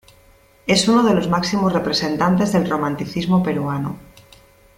Es uno de los máximos representantes del Romanticismo peruano.